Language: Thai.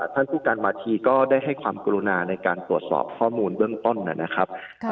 ท่านผู้การมาธีก็ได้ให้ความกรุณาในการตรวจสอบข้อมูลเบื้องต้นนะครับ